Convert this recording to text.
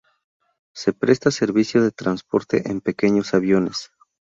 Se presta servicio de transporte en pequeños aviones.